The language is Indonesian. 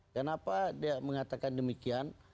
kenapa dia mengatakan demikian